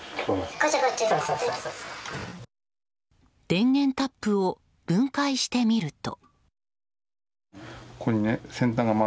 電源タップを分解してみると。